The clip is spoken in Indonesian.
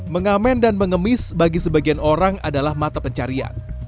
mengamen dan mengemis bagi sebagian orang adalah mata pencarian